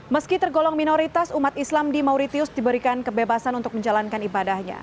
meski tergolong minoritas umat islam di mauritius diberikan kebebasan untuk menjalankan ibadahnya